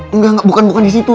enggak bukan disitu